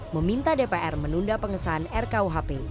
meminta dpr menunda pengesahan rkuhp